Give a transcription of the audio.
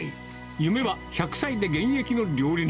夢は１００歳で現役の料理人。